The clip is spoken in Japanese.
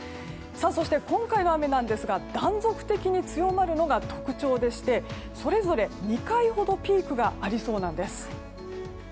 そして、今回の雨なんですが断続的に強まるのが特徴でして、それぞれ２回ほどピークがありそうです。